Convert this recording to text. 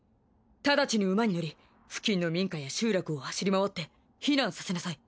直ちに馬に乗り付近の民家や集落を走り回って避難させなさい。